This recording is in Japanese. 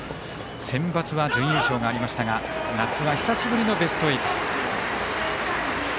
センバツは準優勝がありましたが夏は久しぶりのベスト８。